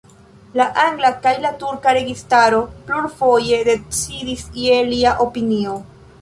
La angla kaj la turka registaro plurfoje decidis je lia opinio.